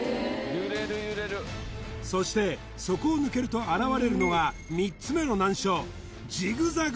そしてそこを抜けると現れるのが３つ目の難所ジグザグ